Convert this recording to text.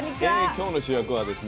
今日の主役はですね